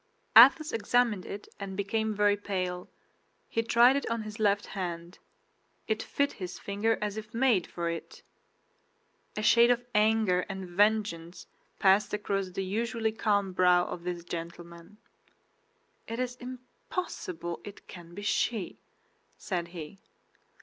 Athos examined it and became very pale. He tried it on his left hand; it fit his finger as if made for it. A shade of anger and vengeance passed across the usually calm brow of this gentleman. "It is impossible it can be she," said he.